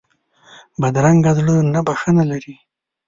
بدرنګه زړه نه بښنه لري